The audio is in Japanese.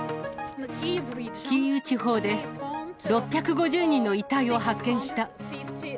キーウ地方で、６５０人の遺体を発見した。